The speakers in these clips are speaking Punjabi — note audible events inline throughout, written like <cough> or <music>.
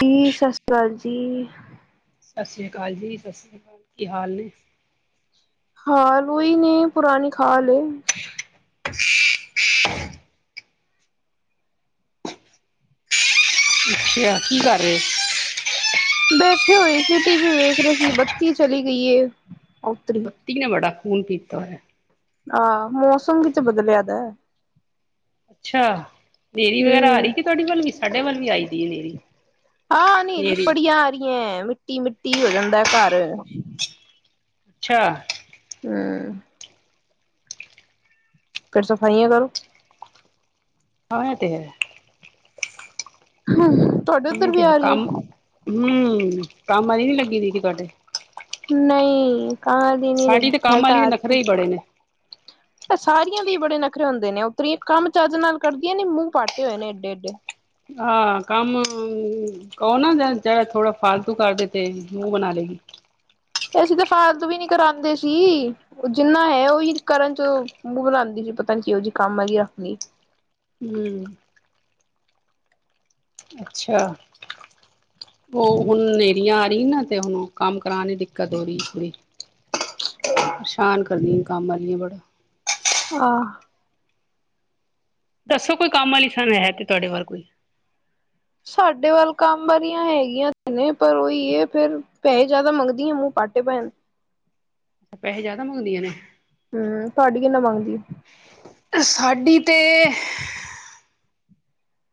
ਜੀ ਸਤਿ ਸ੍ਰੀ ਅਕਾਲ ਜੀ। ਸਸ ਸ਼੍ਰੀ ਅਕਾਲ ਜੀ ਸਸ ਸ਼੍ਰੀ ਅਕਾਲ। ਕੀ ਹਾਲ ਨੇ? ਹਾਂ ਵਹੀ ਨੇ ਪੁਰਾਣੀ ਖਾਲ ਹੈ <unintelligible> ਅੱਛਾ ਕੀ ਕਰ ਰਹੇ ਸੀ? ਬੈਠੇ ਹੋਏ ਸੀ ਟੀ ਵੀ ਵੇਖ- ਰਹੇ ਸੀ ਬੱਤੀ ਚਲੀ- ਗਈਏ। ਬੱਤੀ ਨੇ ਬੜਾ- ਖੂਨ ਪੀਤਾ ਹੋਇਆ। ਆਹ ਮੌਸਮ ਵਿੱਚ ਬਦਲਿਆ ਵਿਆ। ਅੱਛਾ ਦੇਰੀ ਵਗੈਰਾ ਆ ਰਹੀ ਕਿ ਤੁਹਾਡੀ ਵੱਲ ਵੀ- ਸਾਡੇ ਵੱਲ ਵੀ ਆਈ- ਦੀ ਹਨੇਰੀ ਹਾਂ ਹਨੇਰੀਆਂ ਹਨੇਰੀ ਬੜੀਆਂ ਆ ਰਹੀਆਂ ਐ। ਮਿੱਟੀ ਮਿੱਟੀ ਹੋ ਜਾਂਦਾ ਘਰ- ਅੱਛਾ। ਹਮ। ਫਿਰ ਸਫ਼ਾਈਆਂ ਕਰੋ। ਹਾਂ ਏਹ ਤੇ ਹੈ। ਹਮ। ਤੁਹਾਡੇ ਉੱਧਰ ਵੀ ਆ ਰਹੀ ਐ? ਹੁੰ ਕੰਮ ਆਲੀ ਨੀ ਲੱਗੀ ਦੀ ਕੀ ਤੁਹਾਡੇ? ਨਹੀਂ। ਕੰਮ ਆਲੀ ਨਹੀਂ ਲੱਗੀ ਸਾਡੀ ਤੇ ਮੈਂ ਕੰਮ ਵਾਲੀ ਦੇ ਹਟਾ ਨਖਰੇ ਤੀ ਹੀ ਸੀ। ਬੜੇ ਨੇ ਸਾਰੀਆਂ ਦੇ ਬੜੇ ਨਖਰੇ ਹੁੰਦੇ ਨੇ <unintelligible> ਕੰਮ ਚੱਜ ਨਾਲ ਕਰਦੀਆਂ ਨੇ ਮੂੰਹ ਪਾਟੇ ਹੋਏ ਨੇ ਏਡੇ-ਏਡੇ। ਹਾਂ ਕੰਮ ਕਹੋ ਨਾ ਜੱਦ- ਏ ਥੋੜਾ ਫਾਲਤੂ ਕਰਦੇ ਪਯੀ ਹੀ ਮੂੰਹ ਬਣਾ ਲੇਗੀ। ਅਸੀਂ ਤਾਂ ਫਾਲਤੂ ਵੀ ਨੀ ਕਰਾਂਦੇ ਸੀ। ਜਿੰਨਾ ਹੈ ਔਹੀ ਕਰਨ ਚ ਮੂੰਹ ਬਣਾਂਦੀ ਸੀ, ਪਤਾ ਨਹੀਂ ਕਿਹੋ ਜੀ ਕੰਮ ਆਲੀ ਆ ਅਪਣੀ। ਹੂੰ। ਅੱਛਾ ਔ ਹੁਣ ਨੇਰਿਆ ਆ ਰਹੀ, ਨਾ ਤੇ ਹੁਣ ਕੰਮ ਪਰਾਣੀ ਦਿੱਕਤ ਹੋ ਰਹੀ ਬੜੀ, ਪਰੇਸ਼ਾਨ ਕਰਨੀ ਕੰਮ ਆਲੀਆਂ ਬੜਾ। ਆਹ ਦੱਸੋ ਕੋਈ ਕੰਮ ਆਲੀ ਫੇਰ ਹੈ ਕੇ ਤੁਹਾਡੇ ਵੱਲ ਕੋਈ। ਸਾਡੇ ਵੱਲ ਕੰਮ ਵਾਲਿਆਂ ਹੈਗੀਆਂ ਤੇ ਨੇ ਪਰ ਔਹੀ ਏ, ਫੇਰ ਪੈਸੇ ਜਿਆਦਾ ਮੰਗਦੀਆਂ, ਮੂੰਹ ਪਾਟੇ ਪਏ ਨ। ਪੈਹੇ ਜ਼ਿਆਦਾ ਮੰਗਦੀਆਂ ਨੇ? ਹੂੰ ਤੁਹਾਡੀ ਕਿੰਨਾ ਮੰਗ ਸਾਡੀ ਤੇ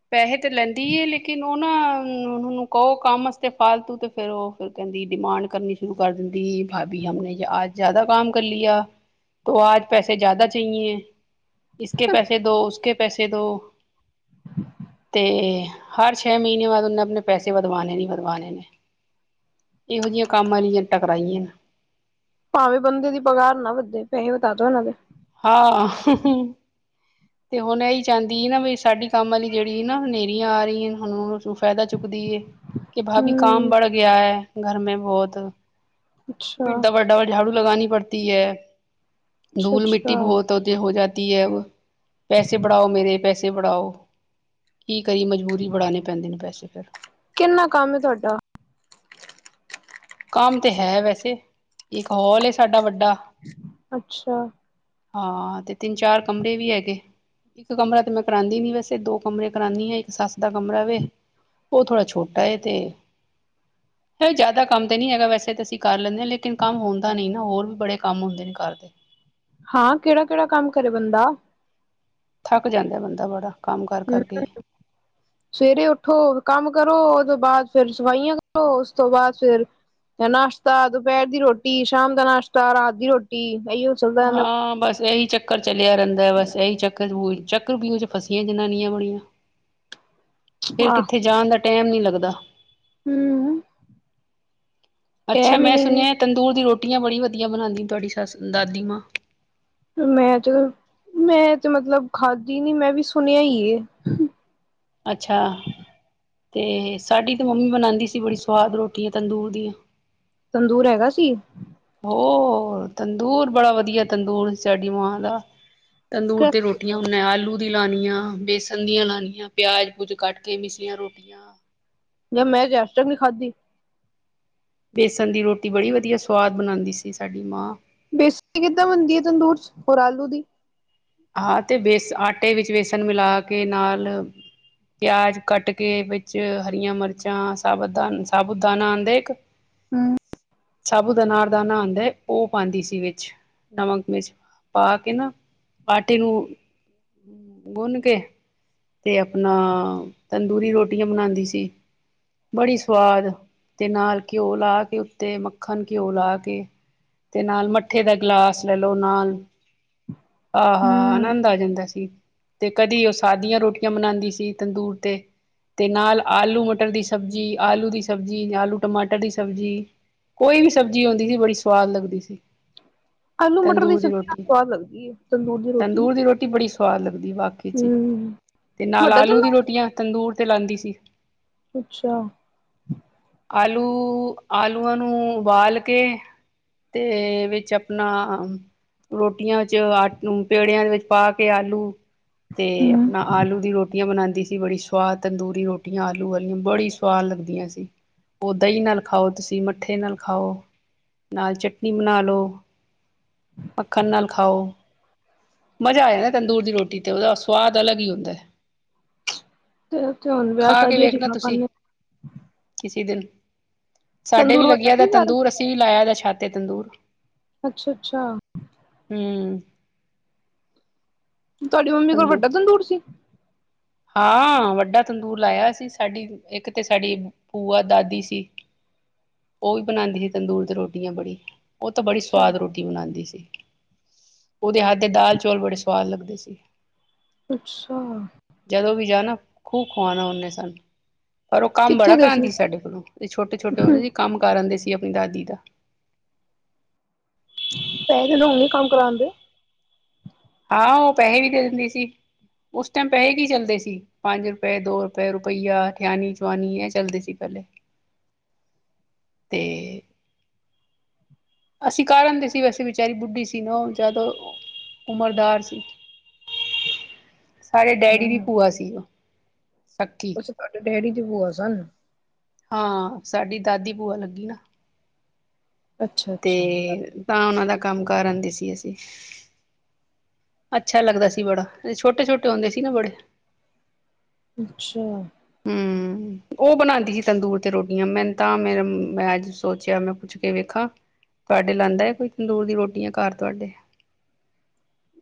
ਪੈਹੇ ਲੈਂਦੀ ਏ, ਲੇਕਿਨ ਔ ਨਾ ਔਨੂੰ ਕਹੋ ਕੰਮ ਆਸਤੇ ਫਾਲਤੂ ਤੇ, ਫੇਰ ਔ ਫੇਰ ਕਹਿੰਦੀ ਡਿਮਾਂਡ ਕਰਨੀ ਸ਼ੁਰੂ ਕਰ ਦਿੰਦੀ, ਭਾਬੀ ਹਮਣੇ ਯੇ ਆਜ ਜ਼ਿਆਦਾ ਕੰਮ ਕਰ ਲਿਆ, ਤੋਂ ਆਜ ਪੈਸੇ ਜ਼ਿਆਦਾ ਚਾਹੀਏ। ਇਸਕੇ ਪੈਸੇ ਦੋ ਉਸਕੇ ਪੇ ਪੈਸੇ ਦੋ ਤੇ ਹਰ ਛੇ ਮਹੀਨੇ ਬਾਦ ਔਨੇ ਆਪਣੇ ਪੈਸੇ ਵਧਵਾਣੇ ਹੀ ਵਧਵਾਣੇ ਨੇ, ਇਹੋ ਜਿਹੀਆਂ ਕੰਮ ਵਾਲੀਆਂ ਟਕਰਾਈਆਂ। ਭਾਵੇਂ ਬੰਦੇ ਦੀ ਪਗਾਰ ਨਾ ਵੱਦੇ, ਪੈਹੇ ਵਧਾ ਦੋ ਇਹਨਾਂ ਦੇ। ਹਾਂ, ਹੁੰ ਹੁੰ, ਤੇ ਹੁਣ ਇਹੀ ਚਾਦੀ ਏ ਨਾ ਬਈ ਸਾਡੀ ਕੰਮ ਵਾਲੀ ਜਿਹੜੀ ਨਾ ਨੇਰੀਆਂ ਆ ਰਹੀਆਂ ਹਨ। ਔਦੇ ਚੋਂ ਫਾਇਦਾ ਚੁੱਕਦੀ ਏ। ਕਿ ਭਾਭੀ ਕਾਮ ਹਮ ਬੜ ਗਿਆ ਹੈ ਘਰ ਮੇਂ ਬਹੁਤ। ਅੱਛਾ ਇਡਾ ਵੱਡਾ ਵੇ ਝਾੜੂ ਲਗਾਨੀ ਪੜਤੀ ਏ। ਅੱਛਾ ਧੂਲ ਮਿੱਟੀ ਅੱਛਾ ਬਹੁਤ ਹੋਤੀ ਹੋ ਜਾ ਕਿ ਅਬ ਪੈਸੇ ਬੜਾਔ, ਮੇਰੇ ਪੈਸੇ ਬੜਾਔ। ਕੀ ਕਰੀਏ ਮਜਬੂਰੀ ਬੜਾਣੇ ਪੈਂਦੇ ਨੇ ਪੈਸੇ ਫੇਰ। ਕਿੰਨਾ ਕੰਮ ਹੈ ਤੁਹਾਡਾ ਕੰਮ ਤੇ ਹੈ ਵੈਸੇ ਇੱਕ ਹੌਲ ਏ ਸਾਡਾ ਵੱਡਾ। ਅੱਛਾ। ਹਾਂ ਤੇ ਤਿੰਨ ਚਾਰ ਕਮਰੇ ਵੀ ਹੈਗੇ, ਇੱਕ ਕਮਰਾ ਤੇ ਮੈਂ ਕਰਾਂਦੀ ਨੀ ਵੈਸੇ ਦੋ ਕਮਰੇ ਕਰਾਣੀ ਆ। ਇੱਕ ਸੱਸ ਦਾ ਕਮਰਾ ਵੇ, ਔ ਥੋੜ੍ਹਾ ਛੋਟਾ ਏ ਤੇ ਹੇ ਜ਼ਿਆਦਾ ਕੰਮ ਤੇ ਨਹੀਂ ਹੈਗਾ ਵੈਸੇ ਤਾਂ ਅਸੀਂ ਕਰ ਲੈਂਣੇ ਆਂ ਲੇਕਿਨ ਕੰਮ ਹੁੰਦਾ ਨਹੀਂ ਨਾ ਹੋਰ ਵੀ ਬੜੇ ਕੰਮ ਹੁੰਦੇ ਨੇ ਘਰਦੇ। ਹਾਂ ਕਿਹੜ -ਕਿਹੜਾ ਕੰਮ ਕਰੇ ਬੰਦਾ। ਥੱਕ ਜਾਂਦਾ ਬੰਦਾ ਬੜਾ। ਕੰਮ ਕਰ ਕਰਕੇ ਹੀ। ਹੂੰ-ਸਵੇਰੇ ਉੱਠੋ ਕੰਮ ਕਰੋ। ਉਸ ਤੋਂ ਬਾਅਦ ਫਿਰ ਸਫਾਈਆਂ ਕਰੋ। ਉਸ ਤੋਂ ਬਾਅਦ ਫੇਿਰ ਨਾਸ਼ਤਾ, ਦੁਪਹਿਰ ਦੀ ਰੋਟੀ, ਸ਼ਾਮ ਦਾ ਨਾਸ਼ਤਾ, ਰਾਤ ਦੀ ਰੋਟੀ ਇਹੀਓ ਚੱਲਦਾ ਰਹਿੰਦਾ ਹਾਂ, ਬਸ ਇਹੀ ਚੱਕਰ ਚਲਿਆ ਰਹਿੰਦਾ। ਬਸ ਇਹੀ ਚੱਕਰ ਚੱਕਰ ਵੀਉ ਚ ਫਸੀਆਂ ਜਨਾਨੀਆਂ ਬੜੀਆਂ। ਫੇਰ ਕਿੱਥੇ ਜਾਣ ਦਾ ਟਾਈਮ ਨੀ ਲੱਗਦਾ। ੱਦਾ <unintelligible> ਹੂੰ ਅੱਛਾ। ਮੈਂ ਸੁਣਿਆ ਤੰਦੂਰ ਦੀ ਰੋਟੀ। ਰੋਟ ਬੜੀ ਵਧਆ ਬਉਂਦੀ ਤੁਹਾਡੀ ਸੱਸ ਦਾਦੀ ਮਾਂ। ਮੈਂ ਜੋ ਮੈਂ ਤੇ ਮਤਲਬ ਖਾਧਦੀ ਨੀ ਮੈਂ ਵੀ ਸੁਣਿਆ ਹੀ ਅੱਛਾ ਤੇ ਸਾਡੀ ਤੇ ਮੰਮੀ ਬਣਾਉਂਦੀ ਸੀ ਬੜੀ ਸਵਾਦ ਰੋਟੀ ਆ ਤੰਦੂਰ ਦੀਆਂ ਤੰਦੂਰ ਹੈਗਾ ਸੀ ਐ ਤੰਦੂਰ ਬੜਾ ਵਧੀਆ ਤੰਦੂਰ ਸਾਡੀ ਮਾਂ ਦਾ ਤੰਦੂਰ ਤੇ ਰੋਟੀਆਂ ਹੁੰਣ ਆਲੂ ਦੀ ਲਣੀੀ ਆ ਬੇਸਨ ਦੀਆਂ ਲਣੀੀਆਂ ਪਿਆਜ ਪੂਜ ਕੱਟ ਕੇ ਮਿਸਰੀੀਆਂ ਰੋਟੀਆਂ ਜਾਂ ਮੈਂ ਰਿੈਸ਼ਟਕ ਨਹੀਂੀ ਖਾਧੀ ਬੇਸਣ ਦੀ ਰੋਟੀ ਬੜੀ ਵਧੀਆ ਸਵਾਦ ਬਣਾਉਂਦੀ ਸੀ ਸਾਡੀ ਮਾਂ ਬੇਸਣ ਕਿੱਦਾਂ ਬਣਦੀ ਹੈ ਤੰਦੂਰ ਚ ਹੋਰ ਆਲੂ ਦੀ ਹਾਂ ਤੇ ਬੇਸ ਆਟੇ ਵਿੱਚ ਬੇਸਣ ਮਿਲਾ ਕੇ ਨਾਲ ਪਿਆਜ ਕੱਟ ਕੇ ਵਿੱਚ ਹਰੀਆਂ ਮਿਰਚਾਂ ਸਾਬ ਦਾ ਸਾਬੁਤ ਦਾਾਨ ਆਉਂਦੇ ਇੱਕ ਸਾਬੂ ਦਾ ਨਾਲੜ ਦਾ ਨਾਂਦਾ ਹੈ ਉਹ ਪਾਉਂਦੀ ਸੀ ਵਿੱਚ ਨਮਕ ਮ ਪਾ ਕੇ ਨਾ ਪਾਰਟੀ ਨੂੰ ਗੁੰਨ ਕੇ ਤੇ ਆਪਣਾ ਤੰਦੂਰੀ ਰੋਟੀਆਂ ਬਣਾਉਂਦੀ ਸੀ ਬੜੀ ਸਵਾਦ ਤੇ ਨਾਲ ਘਿਓ ਲਾ ਕੇ ਉੱਤੇ ਮੱਖਣ ਘਿਓ ਲਾ ਕੇ ਤੇ ਨਾਲ ਮੱਠੇ ਦਾ ਗਿਲਾਸ ਲੈ ਲਓ ਨਾਲ ਆਹ ਹ ਹਮ ਆਨੰਦ ਆ ਜਾਂਦਾ ਸੀ ਤੇ ਕਦੀ ਉਹ ਸਾਦੀਆਂ ਰੋਟੀ ਕੀਆਂ ਬਣਾਉਂਦੀ ਸੀ ਤੰਦੂਰ ਤੇ ਤੇ ਨਾਲ ਆਲੂ ਮਟਰ ਦੀ ਸਬਜ਼ੀ ਆਲੂ ਦੀ ਸਬਜ਼ੀ ਆਲੂ ਟਮਾਟਰ ਦੀ ਸਬਜ਼ੀ ਕੋਈ ਵੀ ਸਬਜ਼ੀ ਆਉਂਦੀ ਸੀ ਬੜੀ ਸਵਾਦ ਲੱਗਦੀ ਸੀ ਆਲੂ ਮਟਰ ਦੀ ਤੰਦੂਰ ਸਬਜ਼ੀ ਰੋਟੀ ਸਵਾਦ ਲੱਗ ਗਈ ਹੈ ਤੰਦੂਰ ਦੀ ਰੋਟੀ ਫਾਲ ਦੀ ਬਾਕੀ ਚ ਹੀ ਹਮ ਤੇ ਨਾਲ ਵੱਡਾ ਆਲੂ ਦੀ ਤੰਦੂਰ ਰੋਟੀਆਂ ਤੰਦੂਰ ਤੇ ਲਾਉਂਦੀ ਸੀ ਅੱਛਾ ਆਲੂ ਆਲੂਆਂ ਨੂੰ ਉਬਾਲ ਕੇ ਤੇ ਵਿੱਚ ਆਪਣਾ ਰੋਟੀਆਂ ਆੱਟ ਨੂੰ ਪੇੜਿਆਂ ਦੇ ਵਿੱਚ ਪਾ ਕੇ ਆਲੂ ਤੇ ਹਮ ਆਪਣਾ ਦੀ ਰੋਟੀਆਂ ਬਣਾਉਂਦੀ ਸੀ ਬੜੀ ਸਵਾਦ ਤੰਦੂਰੀ ਰੋਟੀਆਂ ਆਲੂ ਵਾਲੀਆਂ ਬੜੀ ਸਵਾਦ ਲੱਗਦੀਆਂ ਸੀ ਉਹ ਦਹੀਂ ਨਾਲ ਖਾਓ ਤੁਸੀਂ ਮੱਠੇ ਨਾਲ ਖਾਓ ਨਾਲ ਚਟਨੀ ਬਣਾ ਲਓ ਮੱਖਣ ਨਾਲ ਖਾਓ ਮਜ਼ਾ ਆ ਜਾਂਦਾ ਤੰਦੂਰ ਦੀ ਰੋਟੀ ਤੇ ਉਹਦਾ ਸਵਾਦ ਅਲੱਗ ਹੀ ਹੁੰਦਾ ਹੈ ਤੇ ਹੁਣ ਵਿਆਹ ਖਾ ਕੇ ਸ਼ਾਦੀ ਜ ਵੇਖਣਾ ਖਾ ਪਾ ਤੁਸੀਂ ਕਿਸੇ ਦਿਨ ਸਾਡੇ ਵੀ ਲੱਗਿਆ ਦਾ ਤੰਦੂਰ ਅਸੀਂ ਵੀ ਲਾਇਆ ਦਾ ਛਾਤੇ ਤੰਦੂਰ ਅੱਛਾ ਅੱਛਾ ਹਮ ਤੁਹਾਡੀ ਮੰਮੀ ਕੋਲ ਤੰਦੂ ਵੱਡਾ ਤੰਦੂਰ ਸੀ ਹਾਂ ਵੱਡਾ ਤੰਦੂਰ ਲਾਇਆ ਸੀ ਸਾਡੀ ਇੱਕ ਤੇ ਸਾਡੀ ਬੂਆ ਦਾਦੀ ਸੀ ਉਹ ਵੀ ਬਣਾਉਂਦੀ ਸੀ ਤੰਦੂਰ ਤੇ ਰੋਟੀਆਂ ਬੜੀ ਉਹ ਤਾਂ ਬੜੀ ਅੱਛਾ ਸਵਾਦ ਰੋਟੀ ਬਣਾਉਂਦੀ ਸੀ ਉਹਦੇ ਹੱਥ ਦੇ ਦਾਲ ਚੌਲ ਬੜੇ ਸਵਾਦ ਲੱਗਦੇ ਸੀ ਅੱਛਾ ਜਦੋਂ ਵੀ ਜਾ ਨਾ ਖੂਬ ਖਵਾਉਣਾ ਉਹਨੇ ਸਾਨੂੰ ਪਰ ਉਹ ਕੰਮ ਕਿੱਥੇ ਬੜਾ ਦੇ ਕਰਾਂਦੀ ਸੀ ਸਾਡੇ ਕੋਲੋਂ ਛੋਟੇ-ਛੋਟੇ ਹੁੰਦੇ ਸੀ ਕੰਮ ਕਰ ਆਂਦੇ ਸੀ ਆਪਣੀ ਦਾਦੀ ਦਾ ਕਈਦੇਨ ਉਨੇ ਕਮ ਕਰਾਦੇਂ ਆਹੋ ਉਹ ਪੈਸੇ ਵੀ ਦੇ ਦਿੰਦੀ ਸੀ ਉਸ ਟਾਈਮ ਪੈਸੇ ਕੀ ਚੱਲਦੇ ਸੀ ਪੰਜ ਰੁਪਏ ਦੋ ਰੁਪਏ ਰੁਪਈਆ ਠਿਆਣੀ ਚਵਾਨੀ ਇਹ ਚੱਲਦੇ ਸੀ ਪਹਿਲੇ ਤੇ ਅਸੀਂ ਕਾਰ ਆਂਦੇ ਸੀ ਵੈਸੇ ਵਿਚਾਰੀ ਬੁੱਢੀ ਸੀ ਨਾ ਉਹ ਜਿਆਦ ਉਮਰਦਾਜ ਸੀ ਸਾਡੇ ਡੈਡੀ ਦੀ ਭੂਆ ਸੀ ਉਹ ਸਕੀ ਕੁਛ ਤੁਹਾਡੇ ਡੈਡੀ ਕੀ ਭੂਆ ਸਨ ਹਾਂ ਸਾਡੀ ਦਾਦੀ ਭੂਆ ਲੱਗੀ ਨਾ ਅੱਛਾ ਤੇ ਅੱਛਾ ਤਾਂ ਉਹਨਾਂ ਦਾ ਕੰਮ ਕਰ ਆਉਂਦੇ ਸੀ ਅਸੀਂ ਅੱਛਾ ਲੱਗਦਾ ਸੀ ਬੜਾ ਅਸੀ ਛੋਟੇ-ਛੋਟੇ ਹੁੰਦੇ ਸੀ ਨਾ ਬੜੇ ਅੱਛਾ ਹਮ ਉਹ ਬਣਾਉਂਦੀ ਸੀ ਤੰਦੂਰ ਤੇ ਰੋਟੀਆਂ ਮੈਨੂੰ ਤਾਂ ਮੇ ਮੈਂ ਅੱਜ ਸੋਚਿਆ ਮੈਂ ਪੁੱਛ ਕੇ ਵੇਖਾਂ ਤੁਹਾਡੇ ਲਾਉਂਦਾ ਹੈ ਕੋਈ ਤੰਦੂਰ ਦੀ ਰੋਟੀ ਆ ਘਰ ਤੁਹਾਡੇ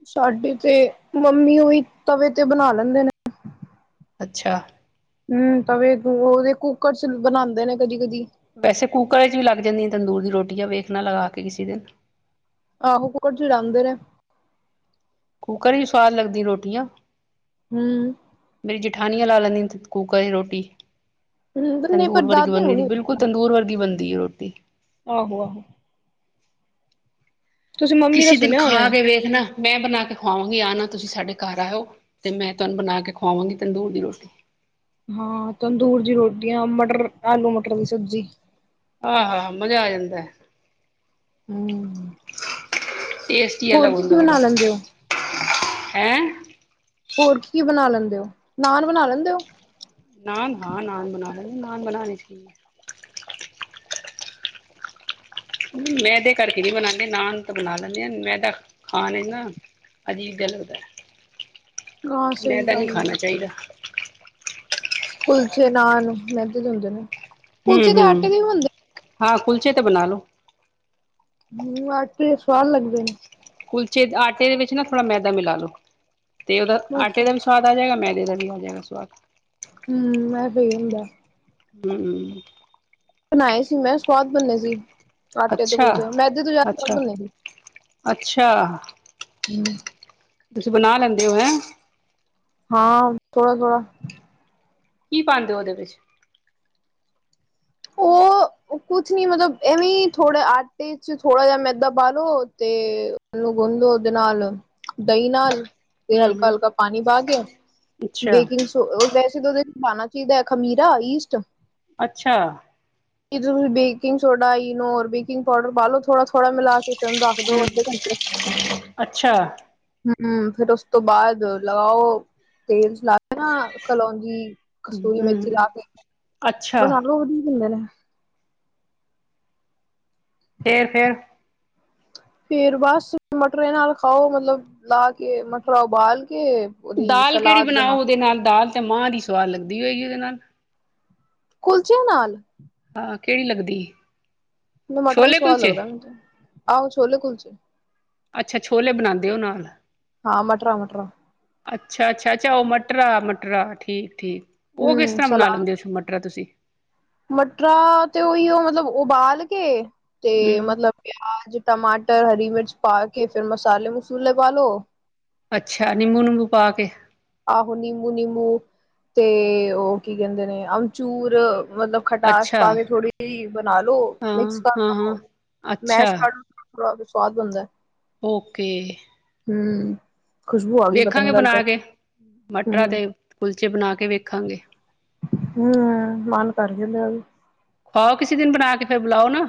ਸਾਡੀ ਤੇ ਮੰਮੀ ਉਹੀ ਤਵੇ ਤੇ ਬਣਾ ਲੈਂਦੇ ਨੇ ਅੱਛਾ ਹਮ ਤਾਂਵੇ ਉਹਦੇ ਕੁੱਕਰ ਚ ਬਣਾਉਂਦੇ ਨੇ ਕਦੀ-ਕਦੀ ਵੈਸੇ ਕੂੱਕਰ ਵਿੱਚ ਵੀ ਲੱਗ ਜਾਂਦੀਆਂ ਤੰਦੂਰ ਦੀ ਰੋਟੀਆਂ ਵੇਖਣਾ ਲਗਾ ਕੇ ਕਿਸੇ ਦਿਨ ਆਹੋ ਕੁਕਰ ਚ ਲਾਉਦੇ ਨੇ ਕੁੂਕਰ ਵੀ ਸਵਾਦ ਲਗਦੀ ਰੋਟੀਆਂ ਹਮ ਠਾਣੀਆਂ ਲਾ ਲੈਂਦੀ ਹ ਕੂਕਰ ਰੋਟੀ ਹੂੰ ਨਹੀਂ ਪਰ ਤੰਦੂਰ ਵਰਗੀ ਦਾਦੀ ਬਣ ਨੂੰ ਸੀ ਬਿਲਕੁਲ ਤੰਦੂਰ ਵਰਗੀ ਬਣਦੀ ਦੀ ਰੋਟੀ ਆਹੋ-ਆਹੋ ਤੁਸੀਂ ਮੰਮੀ ਦਾ ਕਿਸੇ ਦਿਨ ਸੁਣਿਆ ਹੋਨੈ ਖਾ ਕੇ ਵੇਖਣਾ ਮੈਂ ਬਣਾ ਕੇ ਖਵਾਵਾਂਗੀ ਆਨਾ, ਤੁਸੀਂ ਸਾਡੇ ਘਰ ਆਇਓ, ਤੇ ਮੈਂ ਤੁਹਾਨੂੰ ਬਣਾ ਕੇ ਖਵਾਵਾਂਗੀ ਤੰਦੂਰ ਦੀ ਰੋਟੀ ਹਾਂ ਤੰਦੂਰ ਦੀ ਰੋਟੀਆਂ ਮਟੱਰ ਆਲੂ ਮਟੱਰ ਦੀ ਸਬਜ਼ੀ ਆਹਾ ਹਾ ਮਜ਼ਾ ਆ ਜਾਂਦਾ ਹੂ, ਟੇਸਟ ਹੀ ਹੋਰ ਅਲੱਗ ਕੀ ਕੀ ਹੁੰਦਾ ਉਹਦਾ ਬਣਾ ਲੈਂਦੇ ਹੋ ਹੈਂ ਹੋਰ ਕੀ ਕੀ ਬਣਾ ਲੈਂਦੇ ਔ, ਨਾਨ ਬਣਾ ਲੈਂਦੇ ਔ ਨਾਨ ਹਾਂ ਨਾਨ ਬਣਾ ਲਹੇ ਨਾਨ ਬਨਾਣੇ ਚ ਕੀ ਏ ਮੈਂਦੇ ਕਰਕੇ ਨਹੀਂ ਬਣਾਉਂ, ਨਾਨ ਤਾਂ ਬਣਾ ਲੈਂਦੇ ਆਂ ਮੈਂਦਾ ਖਾਣ ਵਿਚ ਨਾ ਅਜੀਬ ਜੇਹਾ ਲੱਗਦਾ। ਹਾਂ ਸਹੀ ਮੈਂਦਾ ਨਹੀਂ ਗੱਲ ਖਾਣਾ ਏ ਚਾਹੀਦਾ। ਕੁਲਚੇ ਨਾਂਲ ਮਹਿੰਦੇ ਦੇ ਹੁੰਦੇ ਨੇ ਹੂੰ ਕੁਲਚੇ ਦੇ ਹੂੰ ਆਟੇ ਦੇ ਵੀ ਹੁੰਦੇ ਹਾਂ ਕੁਲਚੇ ਤੇ ਬਣਾ ਲੋ ਹੂ ਆਟੇ ਦੇ ਸਵਾਦ ਲੱਗਦੇ ਨੇ ਆਟੇ ਦੇ ਵਿੱਚ ਨਾ ਥੋੜਾ ਮੈਦਾ ਮਿਲਾ ਲੋੋ ਤੇ ਉਹਦਾ ਆਟੇ ਦਾ ਵੀ ਸਵਾਦ ਆ ਜਾਏਗਾ ਮੈਂ ਏਦਾ ਵੀ ਹੋ ਜੇਗਾ ਸਵਾਦ। ਹੂ ਏ ਸਹੀ ਹੁੰਦਾ। ਹੂ ਬਣਾਏ ਸੀ ਮੈਂ ਸਵਾਦ ਬਣੇ ਸੀ। ਆਟੇ ਤੋਂ ਅੱਛਾ ਕੁਲਚੇ, ਮੈਦੇ ਤੋਂ ਜਾਦਾ ਸਵਾਦ ਅੱਛਾ ਬਣੇ ਸੀ। ਅੱਛਾ ਹੂੰ ਤੁਸੀਂ ਬਣਾ ਲੈਂਦੇ ਹੋ ਹੈਂ। ਹਾਂ ਥੋੜਾ, ਥੋੜਾ ਕੀ ਪਾਉਂਦੇ ਹੋ ਉਹਦੇ ਵਿੱਚ ਔ ਕੁਛ ਨੀ ਮਤਲਬ ਐਵੇਂ ਥੋੜੇ ਆਟੇ ਚ ਥੋੜ੍ਹਾ ਜਿਹਾ ਮੈਦਾ ਪਾਲੋ, ਤੇ ਉਹਨੂੰ ਗੁੰਦੋ ਉਹਦੇ ਨਾਲ ਦਹੀਂ ਨਾਲ ਤੇ ਹੂੰ ਹਲਕਾ, ਹੂੰ ਹਲਕਾ ਪਾਣੀ ਪਾ ਕੇ, ਅੱਛਾ ਬੇਕਿੰਗ ਸੋ ਸਿਰਫ ਉਹਦੇ ਵਿੱਚ ਪਾਣਾ ਚਾਹੀਦਾ ਹੈ, ਖਮੀਰਾ ਈਸਟ ਅੱਛਾ। ਬੇਕਿੰਗ ਸੋਡਾ, ਈਨੋ, ਹੋਰ ਬੇਕਿੰਗ ਪਾਊਡਰ ਪਾਲੋ ਥੋੜਾ ਥੋੜਾ ਮਿਲਾ ਕੇ ਉਹਨੂੰ ਰੱਖ ਦੋ ਹੂ ਅੱਧੇ ਅੱਛਾ। ਹੂ ਫਿਰ ਉਸ ਤੋਂ ਬਾਅਦ ਲਾਯੋ। ਤੇਲ ਚ ਲਾ ਕੇ ਨਾ ਕਲੋਂਜੀ, ਕਸੂਰੀ ਮੇਥੀ ਹੂੰ ਲਾ ਕੇ ਅੱਛਾ ਬਣਾ ਲੋ ਵਧੀਆ ਬਣਦੇ ਨੇ। ਫੇਰ, ਫੇਰ ਫੇਰ ਬਸ ਮਟਰ ਨਾਲ ਖਾਓ, ਮਤਲਬ ਲਾ ਕੇ ਮਟਰ ਉਬਾਲ ਕੇ ਉਹਦੀ ਦਾਲ ਕਿਹੜੀ ਸਲਾਦ ਬਣਾ ਬਣਾਓ ਉਹਦੇ ਕੇ ਨਾਲ ਦਾਲ ਮਾਂ ਦੀ ਸਵਾਦ ਲਗਦੀ ਹੋਏਗੀ, ਉਹਦੇ ਨਾਲ ਕੁਲਚਿਆਂ ਨਾਲ ਔਰ ਕਿਹੜੀ ਲੱਗਦੀ ਏ। ਮੈਨੂੰ ਮਟਰਾ ਹੀ ਸਵਾਦ ਲੱਗਦਾ, ਮੈਨੂੰ ਤੇ। ਆਹੋ ਛੋਲੇ ਕੁਲਚੇ ਅੱਛਾ ਛੋਲੇ ਬਨਾੰਦੇ ਓ ਨਾਲ। ਹਾਂ ਮਟਰਾਂ ਮਟਰਾਂ ਅੱਛਾ, ਅੱਛਾ, ਅੱਛਾ ਉ ਮਟਰਰਾ, ਮਟਰਰਾ ਠੀਕ, ਠੀਕ <inaudible> ਕਿਸ ਹਮ ਤਰ੍ਹਾਂ ਬਣਾ ਸਲਾਦ, ਲੈਂਦੇ ਹੋ ਮਟਰਾ ਤੁਸੀਂ ਮਟਰਾਅ ਤੇ ਉਹੀ ਉ ਮਤਲਬ ਉਬਾਲ ਕੇ ਕਿ ਤੇ ਹਮ ਮਤਲਬ ਪਿਆਜ ਟਮਾਟਰ ਟਮਾਟਰ ਤੇ ਹਰੀ ਮਿਰਚ ਪਾ ਕੇ, ਫਿਰ ਮਸਾਲੇ -ਮਸੂਲੇ ਪਾ ਲੋ। ਅੱਛਾ, ਨਿੰਬੂ -ਨੁੰਬੂ ਪਾ ਕੇ। ਆਹੋ, ਨਿੰਮੂ ਨਿੰਮੂ ਤੇ ਉਹ ਕੀ ਕਹਿੰਦੇ ਨੇ, ਆਮਚੂਰ। ਮਤਲਬ ਖਟਾਸ ਅੱਛਾ ਪਾ ਕੇ, ਥੋੜੀ ਜਿਹੀ ਬਣਾ ਲੋ ਹਾਂ ਮਿਕਸ ਕਰ ਹਾਂ ਹਾਂ ਲੋ, ਅੱਛਾ ਮੈਸ਼ ਕਰ ਲੋ । ਸਵਾਦ ਬਨਦੈ। ਓਕੇ। ਹੂੰ। ਖੁਸ਼ਬੂ ਆ ਗਈ ਪਤਾ ਨੀ, ਵੇਖਾਂਗੇ ਗੱਲ ਬਣਾ ਕਰ ਕੇ ਮਟਰਾਂ ਤੇ ਕੁਲਚੇ ਬਨਾ ਕੇ ਵੇਖਾਂਗੇ। ਹੂੰ ਮਨ ਕਰ ਗਿਆ ਮੇਰਾ ਵੀ। ਖਵਾਓ ਕਿਸੇ ਦਿਨ ਬਨਾ ਕੇ, ਫੇਰ ਬੁਲਾਓ ਨਾ?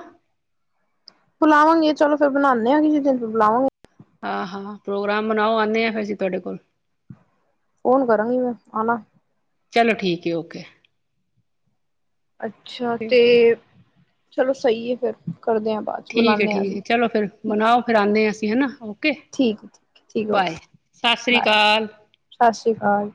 ਬੁਲਾਵਾਂਗੇ ਚਲੋ ਫੇਰ ਬਨਾਨੇ ਆਂ, ਕਿਸੇ ਦਿਨ ਫੇਰ ਬੁਲਾਵਾਂਗੇ। ਆਹ ਹਾਂ ਪ੍ਰੋਗਰਾਮ ਬਨਾਓ ਆਂਨੇ ਆਂ, ਫਿਰ ਅਸੀਂ ਤੁਹਾਡੇ ਕੋਲ? ਫੋਨ ਕਰਾਂਗੀ ਮੈਂ, ਆਨਾ। ਚਲੋ ਠੀਕ ਏ, ਓਕੇ। ਅੱਛਾ ਓਕੇ ਤੇ। ਚਲੋ ਸਈ ਏ, ਫਿਰ। ਕਰਦੇ ਹਾਂ ਬਾਅਦ ਚ ਠੀਕ ਏ, ਬੁਲਾਨੇ ਆ ਠੀਕ ਅਸੀਂ ਏ, ਚਲੋ ਫੇਰ ਠੀਕ ਬਨਾਓ ਫੇਰ ਆਂਨੇੰ ਆਂ, ਅਸੀਂ ਹਨਾ। ਠੀਕ ਹੈ, ਠੀਕ, ਠੀਕ, ਓਕੇ, ਸਤਿ ਸ਼੍ਰੀ ਬਾਏ ਅਕਾਲ ਸਤਿ ਸ਼੍ਰੀ ਅਕਾਲ।